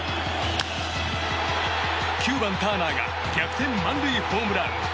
９番、ターナーが逆転満塁ホームラン。